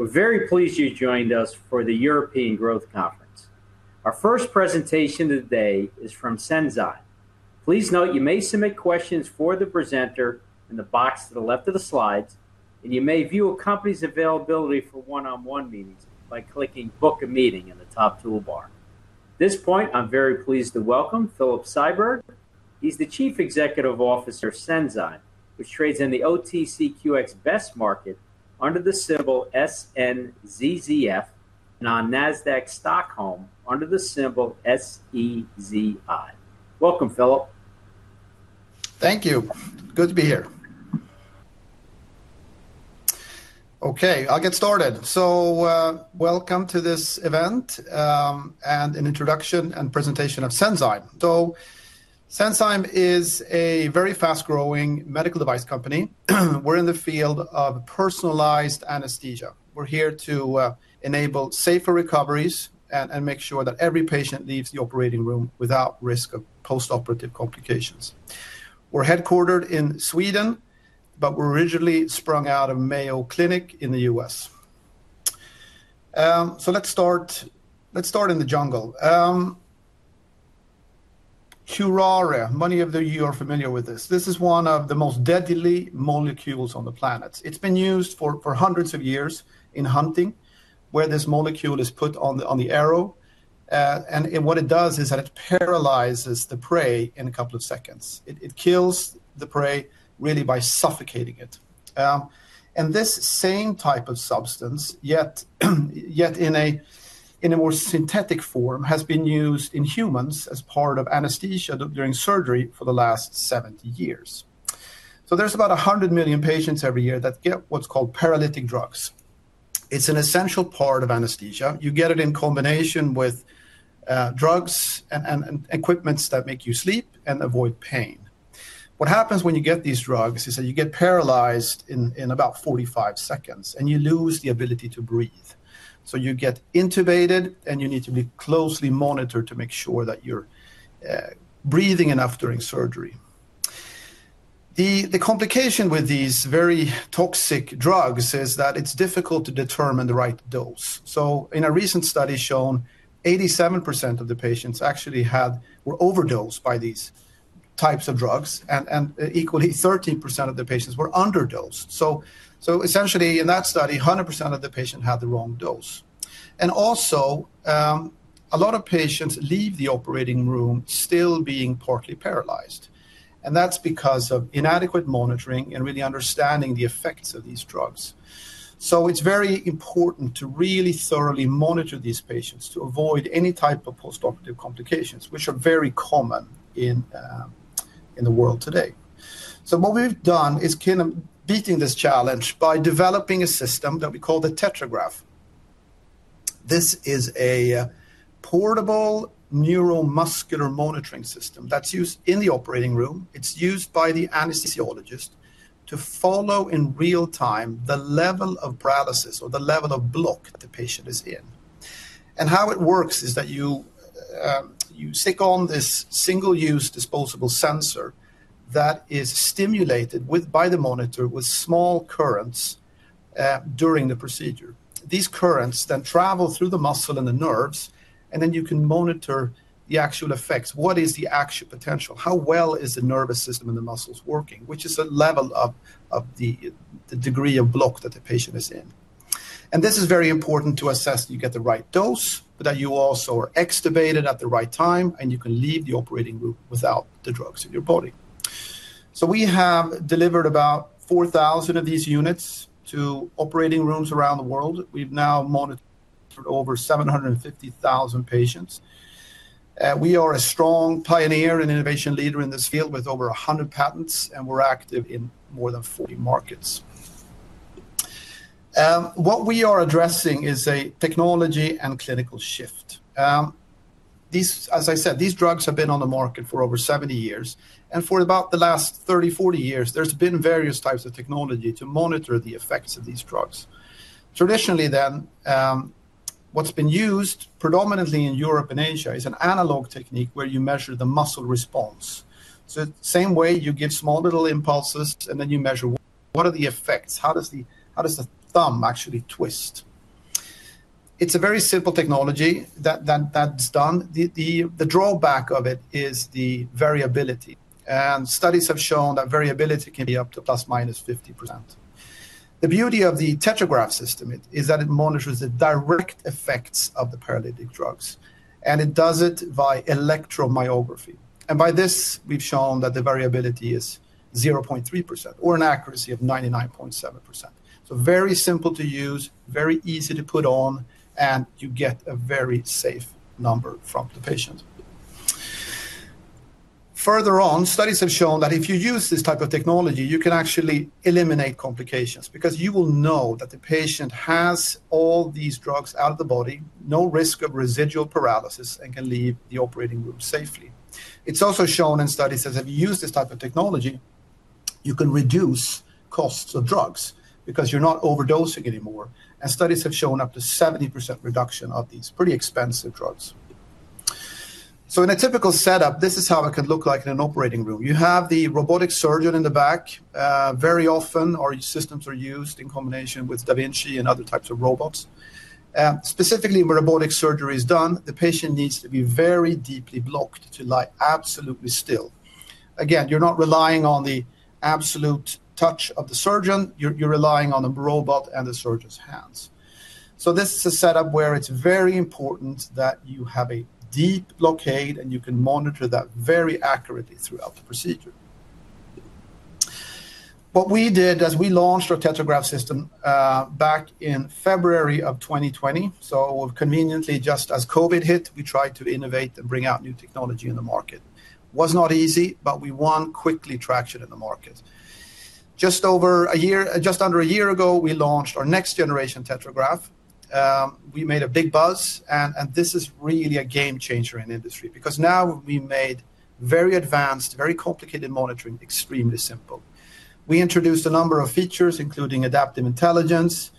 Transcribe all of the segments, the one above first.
We're very pleased you joined us for the European Growth Conference. Our first presentation today is from Senzime. Please note you may submit questions for the presenter in the box to the left of the slides, and you may view a company's availability for one-on-one meetings by clicking "Book a Meeting" in the top toolbar. At this point, I'm very pleased to welcome Philip Siberg. He's the Chief Executive Officer of Senzime, which trades in the OTCQX Best Market under the symbol SNZZF, and on Nasdaq Stockholm under the symbol SEZI. Welcome, Philip. Thank you. Good to be here. Okay, I'll get started. Welcome to this event, and an introduction and presentation of Senzime. Senzime is a very fast-growing medical device company. We're in the field of personalized anesthesia. We're here to enable safer recoveries and make sure that every patient leaves the operating room without the risk of postoperative complications. We're headquartered in Sweden, but we're originally spun out of Mayo Clinic in the United States. Let's start in the jungle. Curare, many of you are familiar with this. This is one of the most deadly molecules on the planet. It's been used for hundreds of years in hunting, where this molecule is put on the arrow. What it does is that it paralyzes the prey in a couple of seconds. It kills the prey really by suffocating it. This same type of substance, yet in a more synthetic form, has been used in humans as part of anesthesia during surgery for the last 70 years. There's about 100 million patients every year that get what's called paralytic agents. It's an essential part of anesthesia. You get it in combination with drugs and equipment that make you sleep and avoid pain. What happens when you get these drugs is that you get paralyzed in about 45 seconds, and you lose the ability to breathe. You get intubated, and you need to be closely monitored to make sure that you're breathing enough during surgery. The complication with these very toxic drugs is that it's difficult to determine the right dose. In a recent study shown, 87% of the patients actually were overdosed by these types of drugs, and equally, 13% of the patients were underdosed. Essentially, in that study, 100% of the patients had the wrong dose. Also, a lot of patients leave the operating room still being partly paralyzed. That's because of inadequate monitoring and really understanding the effects of these drugs. It's very important to really thoroughly monitor these patients to avoid any type of postoperative complications, which are very common in the world today. What we've done is kind of beaten this challenge by developing a system that we call the TetraGraph system. This is a portable neuromuscular monitoring system that's used in the operating room. It's used by the anesthesiologist to follow in real time the level of paralysis or the level of block the patient is in. How it works is that you stick on this single-use disposable sensor that is stimulated by the monitor with small currents during the procedure. These currents then travel through the muscle and the nerves, and you can monitor the actual effects. What is the actual potential? How well is the nervous system and the muscles working? Which is the level of the degree of block that the patient is in? This is very important to assess that you get the right dose, that you also are extubated at the right time, and you can leave the operating room without the drugs in your body. We have delivered about 4,000 of these units to operating rooms around the world. We've now monitored over 750,000 patients. We are a strong pioneer and innovation leader in this field with over 100 patents, and we're active in more than 40 markets. What we are addressing is a technology and clinical shift. As I said, these drugs have been on the market for over 70 years, and for about the last 30, 40 years, there's been various types of technology to monitor the effects of these drugs. Traditionally, what's been used predominantly in Europe and Asia is an analog technique where you measure the muscle response. The same way you give small little impulses, and then you measure what are the effects. How does the thumb actually twist? It's a very simple technology that's done. The drawback of it is the variability, and studies have shown that variability can be up to plus minus 50%. The beauty of the TetraGraph system is that it monitors the direct effects of the paralytic drugs, and it does it by electromyography. By this, we've shown that the variability is 0.3% or an accuracy of 99.7%. Very simple to use, very easy to put on, and you get a very safe number from the patient. Further on, studies have shown that if you use this type of technology, you can actually eliminate complications because you will know that the patient has all these drugs out of the body, no risk of residual paralysis, and can leave the operating room safely. It's also shown in studies that if you use this type of technology, you can reduce costs of drugs because you're not overdosing anymore. Studies have shown up to 70% reduction of these pretty expensive drugs. In a typical setup, this is how it can look like in an operating room. You have the robotic surgeon in the back. Very often, our systems are used in combination with Da Vinci and other types of robots. Specifically, when robotic surgery is done, the patient needs to be very deeply blocked to lie absolutely still. Again, you're not relying on the absolute touch of the surgeon. You're relying on the robot and the surgeon's hands. This is a setup where it's very important that you have a deep blockade, and you can monitor that very accurately throughout the procedure. What we did is we launched our TetraGraph system back in February of 2020. Conveniently, just as COVID hit, we tried to innovate and bring out new technology in the market. It was not easy, but we won quickly traction in the market. Just over a year, just under a year ago, we launched our next-generation TetraGraph. We made a big buzz, and this is really a game changer in the industry because now we made very advanced, very complicated monitoring extremely simple. We introduced a number of features, including adaptive intelligence.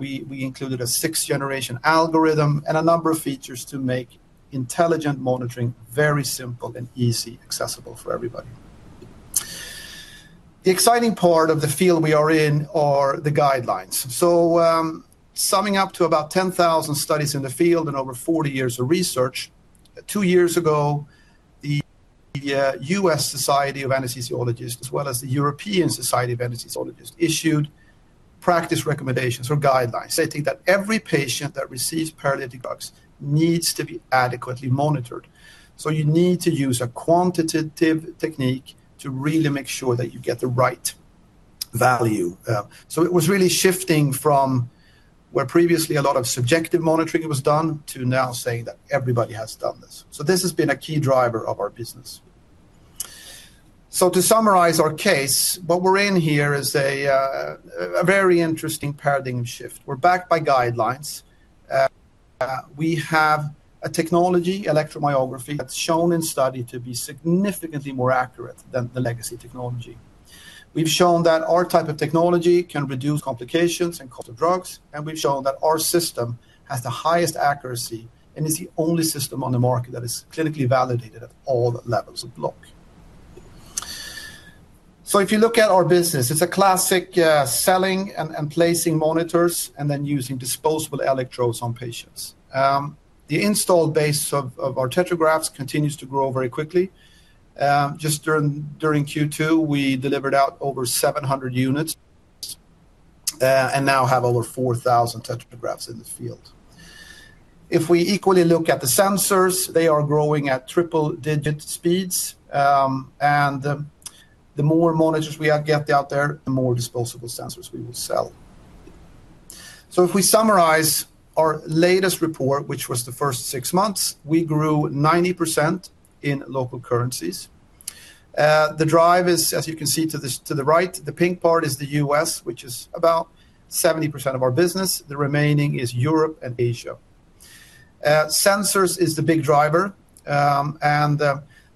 We included a sixth-generation algorithm and a number of features to make intelligent monitoring very simple and easily accessible for everybody. The exciting part of the field we are in are the guidelines. Summing up to about 10,000 studies in the field and over 40 years of research, two years ago, the American Society of Anesthesiologists, as well as the European Society of Anaesthesiology and Intensive Care, issued practice recommendations or guidelines. They think that every patient that receives paralytic agents needs to be adequately monitored. You need to use a quantitative technique to really make sure that you get the right value. It was really shifting from where previously a lot of subjective monitoring was done to now saying that everybody has done this. This has been a key driver of our business. To summarize our case, what we're in here is a very interesting paradigm shift. We're backed by guidelines. We have a technology, electromyography, that's shown in study to be significantly more accurate than the legacy technology. We've shown that our type of technology can reduce complications and cost of drugs, and we've shown that our system has the highest accuracy and is the only system on the market that is clinically validated at all levels of block. If you look at our business, it's a classic selling and placing monitors and then using disposable electrodes on patients. The install base of our TetraGraph systems continues to grow very quickly. Just during Q2, we delivered out over 700 units and now have over 4,000 TetraGraphs in the field. If we equally look at the sensors, they are growing at triple-digit speeds. The more monitors we get out there, the more disposable sensors we will sell. If we summarize our latest report, which was the first six months, we grew 90% in local currencies. The drive is, as you can see to the right, the pink part is the U.S., which is about 70% of our business. The remaining is Europe and Asia. Sensors is the big driver.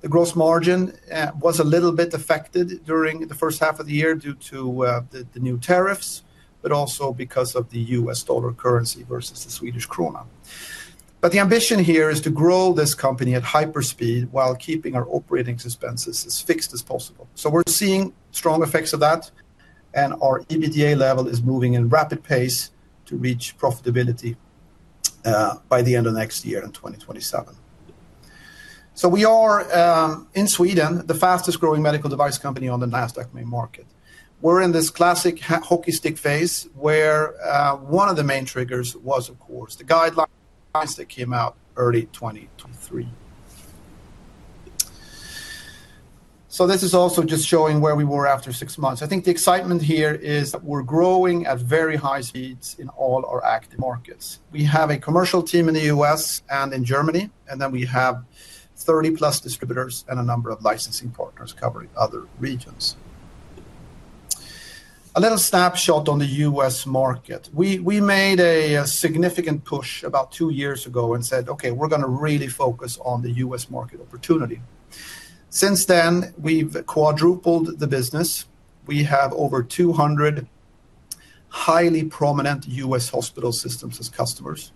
The gross margin was a little bit affected during the first half of the year due to the new tariffs, but also because of the U.S. dollar currency versus the Swedish krona. The ambition here is to grow this company at hyperspeed while keeping our operating expenses as fixed as possible. We're seeing strong effects of that, and our EBITDA level is moving at a rapid pace to reach profitability by the end of next year in 2027. We are, in Sweden, the fastest growing medical device company on the Nasdaq main market. We're in this classic hockey stick phase where one of the main triggers was, of course, the guidelines that came out early 2023. This is also just showing where we were after six months. I think the excitement here is that we're growing at very high speeds in all our active markets. We have a commercial team in the U.S. and in Germany, and then we have 30-plus distributors and a number of licensing partners covering other regions. A little snapshot on the U.S. market. We made a significant push about two years ago and said, "Okay, we're going to really focus on the U.S. market opportunity." Since then, we've quadrupled the business. We have over 200 highly prominent U.S. hospital systems as customers.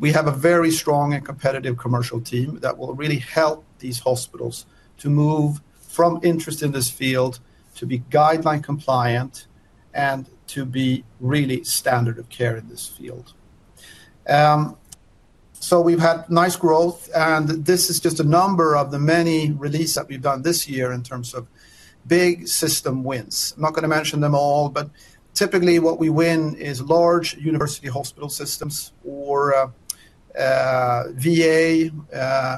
We have a very strong and competitive commercial team that will really help these hospitals to move from interest in this field to be guideline compliant and to be really standard of care in this field. We've had nice growth, and this is just a number of the many releases that we've done this year in terms of big system wins. I'm not going to mention them all, but typically what we win is large university hospital systems or VA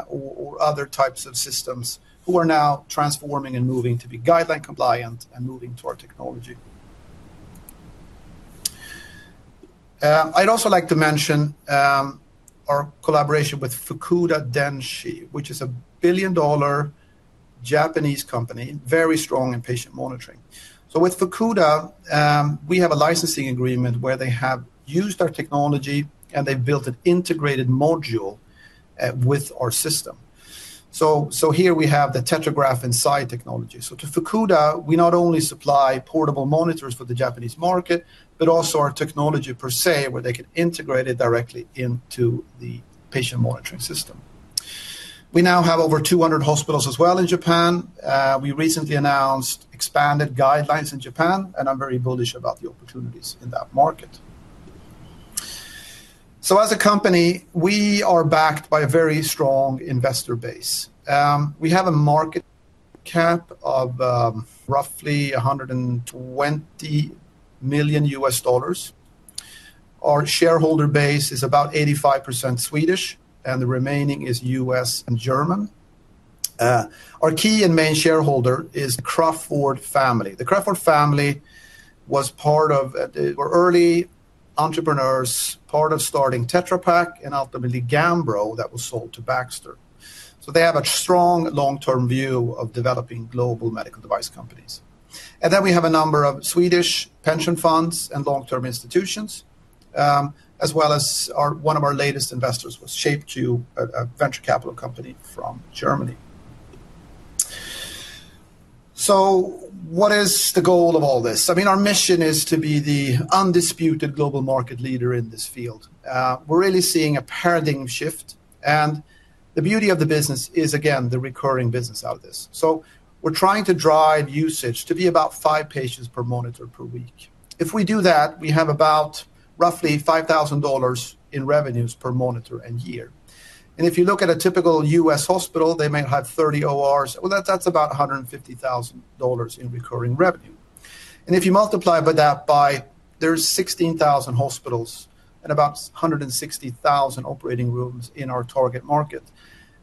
or other types of systems who are now transforming and moving to be guideline compliant and moving to our technology. I'd also like to mention our collaboration with Fukuda Denshi, which is a billion-dollar Japanese company, very strong in patient monitoring. With Fukuda, we have a licensing agreement where they have used our technology, and they've built an integrated module with our system. Here we have the TetraGraph inside technology. To Fukuda Denshi, we not only supply portable monitors for the Japanese market, but also our technology per se, where they can integrate it directly into the patient monitoring system. We now have over 200 hospitals as well in Japan. We recently announced expanded guidelines in Japan, and I'm very bullish about the opportunities in that market. As a company, we are backed by a very strong investor base. We have a market cap of roughly $120 million. Our shareholder base is about 85% Swedish, and the remaining is U.S. and German. Our key and main shareholder is the Crawford family. The Crawford family was part of, were early entrepreneurs, part of starting Tetra Pak and ultimately Gambro that was sold to Baxter. They have a strong long-term view of developing global medical device companies. We have a number of Swedish pension funds and long-term institutions, as well as one of our latest investors, ShapeQ, a venture capital company from Germany. What is the goal of all this? I mean, our mission is to be the undisputed global market leader in this field. We're really seeing a paradigm shift, and the beauty of the business is, again, the recurring business out of this. We're trying to drive usage to be about five patients per monitor per week. If we do that, we have about roughly $5,000 in revenues per monitor and year. If you look at a typical U.S. hospital, they may have 30 ORs. That's about $150,000 in recurring revenue. If you multiply that by, there's 16,000 hospitals and about 160,000 operating rooms in our target market,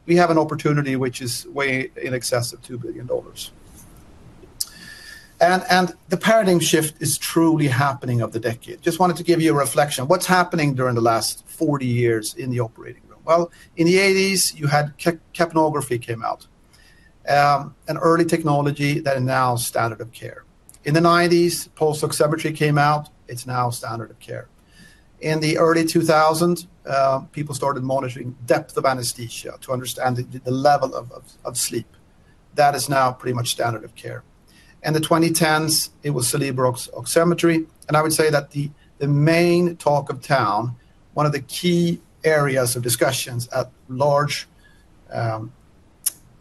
we have an opportunity which is way in excess of $2 billion. The paradigm shift is truly happening of the decade. I just wanted to give you a reflection. What's happening during the last 40 years in the operating room? In the 1980s, you had capnography came out, an early technology that is now standard of care. In the 1990s, pulse oximetry came out. It's now standard of care. In the early 2000s, people started monitoring depth of anesthesia to understand the level of sleep. That is now pretty much standard of care. In the 2010s, it was salivary oximetry. I would say that the main talk of town, one of the key areas of discussions at large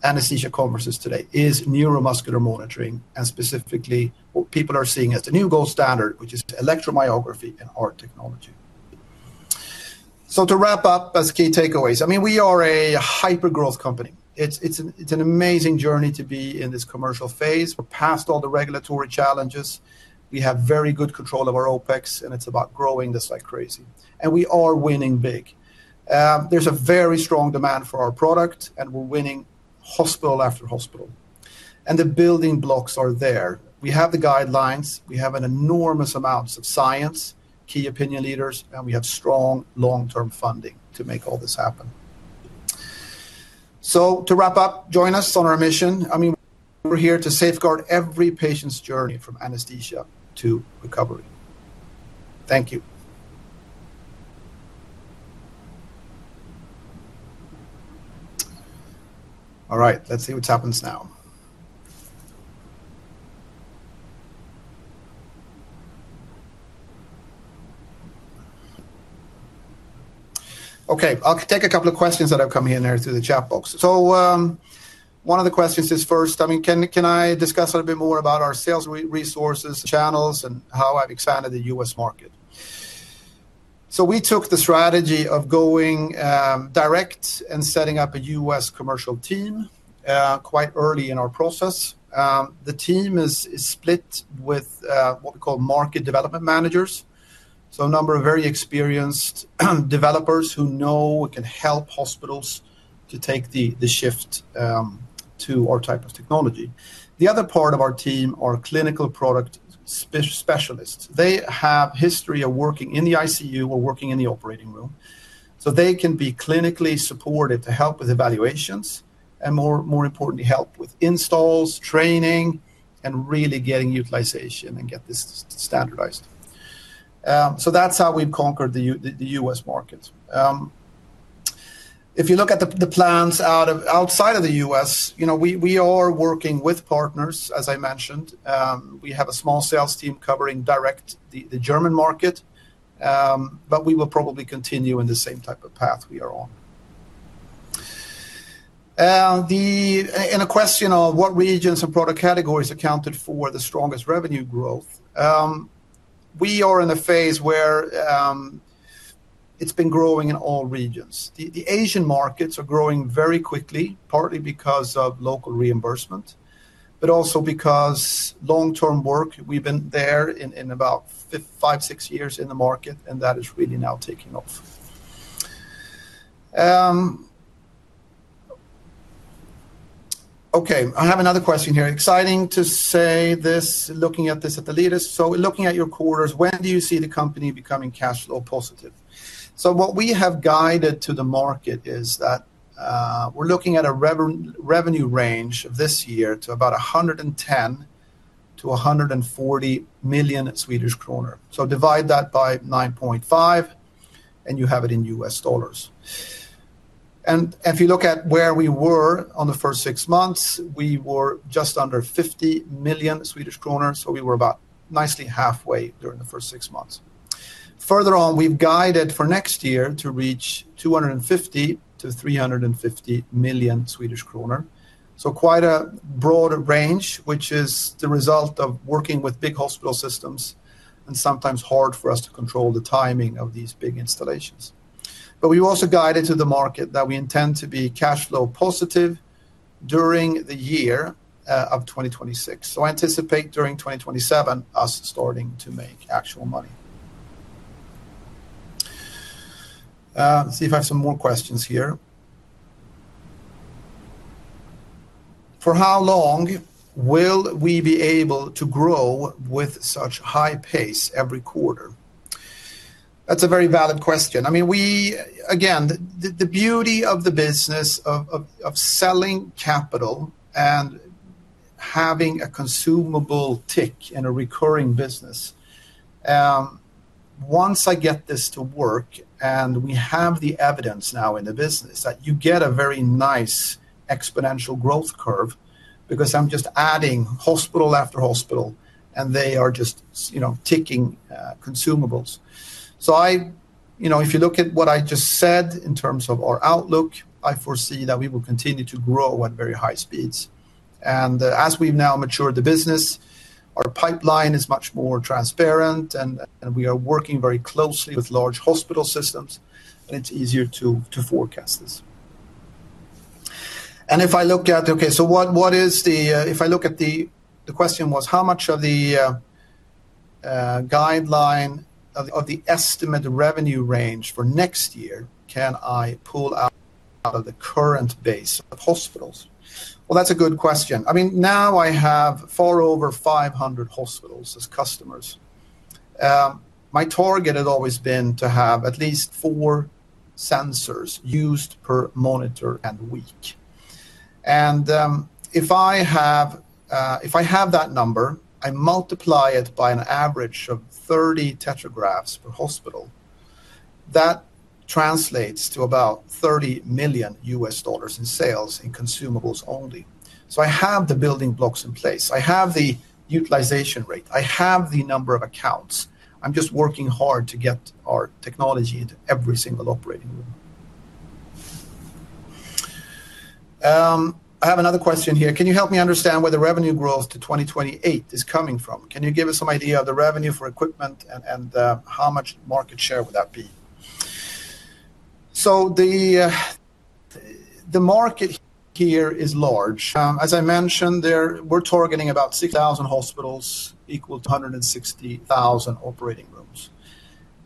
anesthesia conferences today, is neuromuscular monitoring, and specifically, people are seeing it as the new gold standard, which is electromyography and our technology. To wrap up, as key takeaways, we are a hyper-growth company. It's an amazing journey to be in this commercial phase. Past all the regulatory challenges, we have very good control of our OpEx, and it's about growing just like crazy. We are winning big. There's a very strong demand for our product, and we're winning hospital after hospital. The building blocks are there. We have the guidelines. We have an enormous amount of science, key opinion leaders, and we have strong long-term funding to make all this happen. To wrap up, join us on our mission. We're here to safeguard every patient's journey from anesthesia to recovery. Thank you. All right, let's see what happens now. I'll take a couple of questions that have come in here through the chat box. One of the questions is, can I discuss a little bit more about our sales resources, channels, and how I've expanded the U.S. market? We took the strategy of going direct and setting up a U.S. commercial team quite early in our process. The team is split with what we call market development managers, a number of very experienced developers who know and can help hospitals to take the shift to our type of technology. The other part of our team are clinical product specialists. They have a history of working in the ICU or working in the operating room, so they can be clinically supported to help with evaluations and, more importantly, help with installs, training, and really getting utilization and get this standardized. That's how we've conquered the U.S. market. If you look at the plans outside of the U.S., we are working with partners, as I mentioned. We have a small sales team covering direct the German market, but we will probably continue in the same type of path we are on. In a question of what regions and product categories accounted for the strongest revenue growth, we are in a phase where it's been growing in all regions. The Asian markets are growing very quickly, partly because of local reimbursement, but also because of long-term work. We've been there in about five, six years in the market, and that is really now taking off. I have another question here. Exciting to say this, looking at this at the latest. Looking at your quarters, when do you see the company becoming cash flow positive? What we have guided to the market is that we're looking at a revenue range of this year to about 110 million to 140 million Swedish kronor. Divide that by 9.5, and you have it in U.S. dollars. If you look at where we were in the first six months, we were just under 50 million Swedish krona. We were about nicely halfway during the first six months. Further on, we've guided for next year to reach 250 to 350 million Swedish krona. Quite a broad range, which is the result of working with big hospital systems and sometimes hard for us to control the timing of these big installations. We've also guided to the market that we intend to be cash flow positive during the year of 2026. I anticipate during 2027, us starting to make actual money. Let's see if I have some more questions here. For how long will we be able to grow with such high pace every quarter? That's a very valid question. The beauty of the business of selling capital and having a consumable tick in a recurring business. Once I get this to work, and we have the evidence now in the business that you get a very nice exponential growth curve because I'm just adding hospital after hospital, and they are just ticking consumables. If you look at what I just said in terms of our outlook, I foresee that we will continue to grow at very high speeds. As we've now matured the business, our pipeline is much more transparent, and we are working very closely with large hospital systems, and it's easier to forecast this. If I look at, okay, so what is the, if I look at the question was how much of the guideline of the estimated revenue range for next year can I pull out of the current base of hospitals? That's a good question. Now I have far over 500 hospitals as customers. My target has always been to have at least four sensors used per monitor and week. If I have that number, I multiply it by an average of 30 TetraGraph systems per hospital. That translates to about $30 million in sales in consumables only. I have the building blocks in place. I have the utilization rate. I have the number of accounts. I'm just working hard to get our technology to every single operating room. I have another question here. Can you help me understand where the revenue growth to 2028 is coming from? Can you give us some idea of the revenue for equipment and how much market share would that be? The market here is large. As I mentioned, we're targeting about 6,000 hospitals equal to 160,000 operating rooms.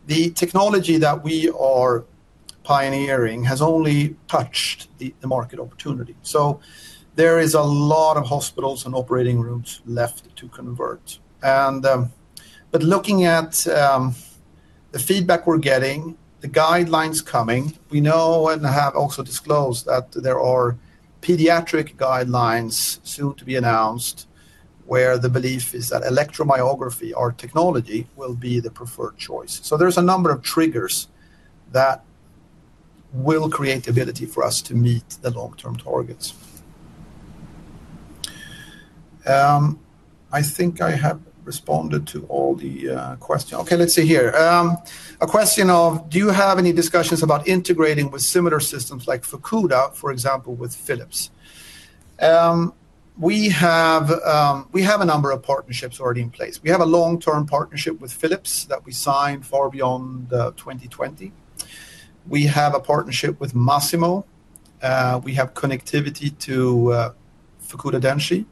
The technology that we are pioneering has only touched the market opportunity. There are a lot of hospitals and operating rooms left to convert. Looking at the feedback we're getting, the guidelines coming, we know and have also disclosed that there are pediatric guidelines soon to be announced where the belief is that electromyography, our technology, will be the preferred choice. There are a number of triggers that will create the ability for us to meet the long-term targets. I think I have responded to all the questions. Okay, let's see here. A question of, do you have any discussions about integrating with similar systems like Fukuda, for example, with Philips? We have a number of partnerships already in place. We have a long-term partnership with Philips that we signed far beyond 2020. We have a partnership with Masimo. We have connectivity to Fukuda Denshi,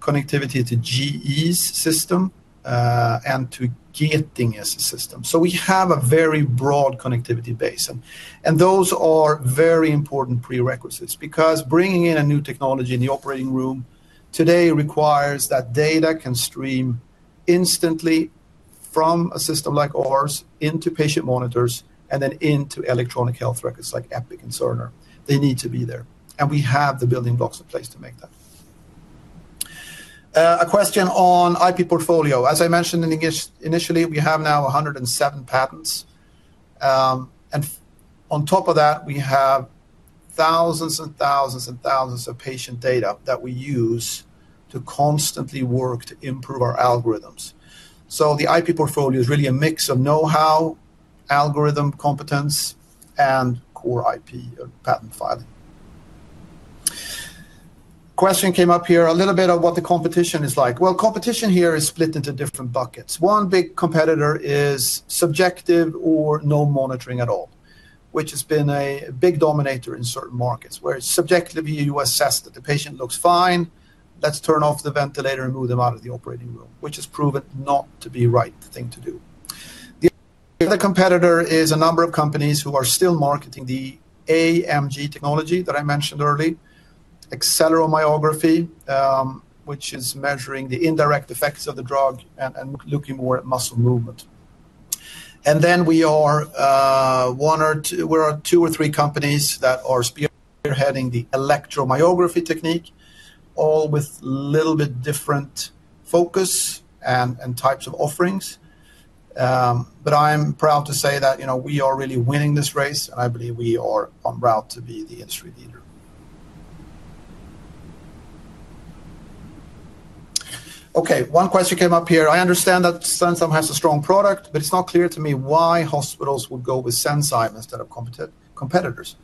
connectivity to GE's system, and to Getinge's system. We have a very broad connectivity base. Those are very important prerequisites because bringing in a new technology in the operating room today requires that data can stream instantly from a system like ours into patient monitors and then into electronic health records like Epic and Cerner. They need to be there. We have the building blocks in place to make that. A question on IP portfolio. As I mentioned initially, we have now 107 patents. On top of that, we have thousands and thousands and thousands of patient data that we use to constantly work to improve our algorithms. The IP portfolio is really a mix of know-how, algorithm competence, and core IP patent filing. Question came up here, a little bit of what the competition is like. Competition here is split into different buckets. One big competitor is subjective or no monitoring at all, which has been a big dominator in certain markets where subjectively you assess that the patient looks fine. Let's turn off the ventilator and move them out of the operating room, which is proven not to be the right thing to do. The other competitor is a number of companies who are still marketing the AMG technology that I mentioned early, acceleromyography, which is measuring the indirect effects of the drug and looking more at muscle movement. We are two or three companies that are spearheading the electromyography technique, all with a little bit different focus and types of offerings. I'm proud to say that, you know, we are really winning this race, and I believe we are on route to be the industry leader. One question came up here. I understand that Senzime has a strong product, but it's not clear to me why hospitals would go with Senzime instead of competitors.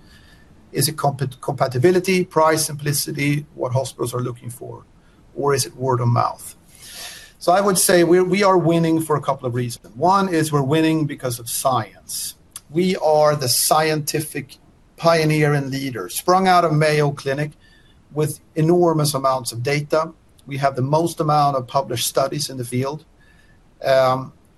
Is it compatibility, price, simplicity, what hospitals are looking for, or is it word of mouth? I would say we are winning for a couple of reasons. One is we're winning because of science. We are the scientific pioneer and leader, sprung out of Mayo Clinic with enormous amounts of data. We have the most amount of published studies in the field.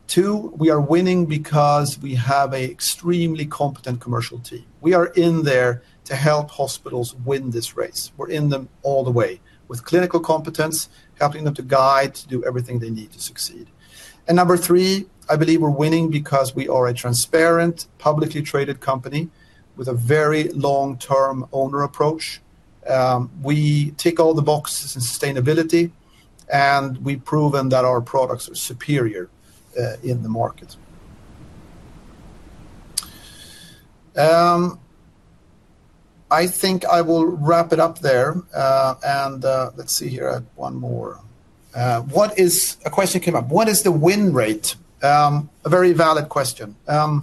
Two, we are winning because we have an extremely competent commercial team. We are in there to help hospitals win this race. We're in them all the way with clinical competence, helping them to guide, to do everything they need to succeed. Number three, I believe we're winning because we are a transparent, publicly traded company with a very long-term owner approach. We tick all the boxes in sustainability, and we've proven that our products are superior in the market. I think I will wrap it up there. Let's see here, I have one more. A question came up. What is the win rate? A very valid question. To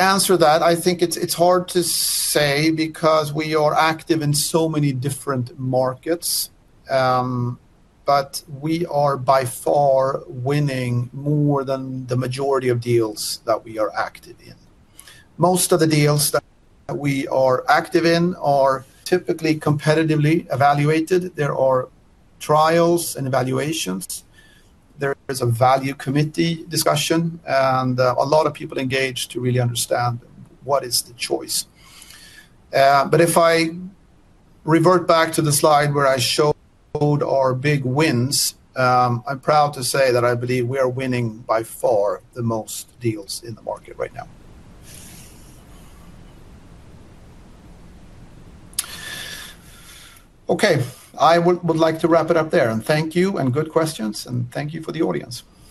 answer that, I think it's hard to say because we are active in so many different markets, but we are by far winning more than the majority of deals that we are active in. Most of the deals that we are active in are typically competitively evaluated. There are trials and evaluations. There's a value committee discussion, and a lot of people engage to really understand what is the choice. If I revert back to the slide where I showed our big wins, I'm proud to say that I believe we are winning by far the most deals in the market right now. I would like to wrap it up there. Thank you, and good questions, and thank you for the audience.